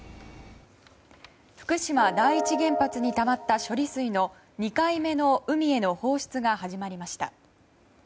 福島第一原発にたまった処理水の２回目の海への放出が始まりました。